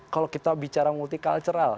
kalau kita bicara multi cultural